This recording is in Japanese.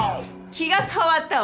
気が変わったわ！